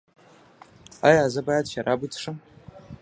ایا زه باید شراب وڅښم؟